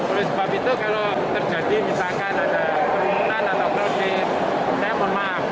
oleh sebab itu kalau terjadi misalkan ada kerumunan atau kredit saya memaaf